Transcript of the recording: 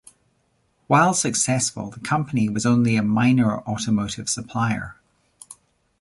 While successful, the company was only a minor automotive supplier.